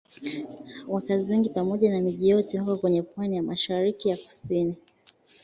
Wakazi wengi pamoja na miji yote wako kwenye pwani ya mashariki na kusini.